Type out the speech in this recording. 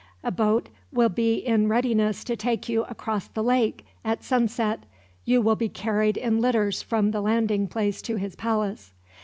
A boat will be in readiness to take you across the lake, at sunset. You will be carried in litters from the landing place to his palace."